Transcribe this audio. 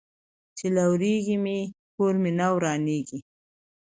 ـ چې لوريږي مې، کور مې نه ورانيږي.